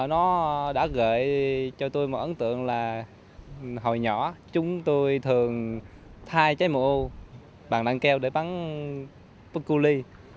nó đã gợi cho tôi một ấn tượng là hồi nhỏ chúng tôi thường thai cây mùa u bằng đăng keo để bắn pukuli